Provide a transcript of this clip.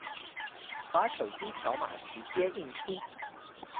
把手機條碼直接印出